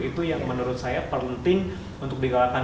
itu yang menurut saya penting untuk dikeluarkan